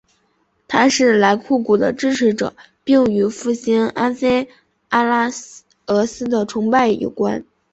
他是莱库古的支持者并与复兴安菲阿拉俄斯的崇拜有关。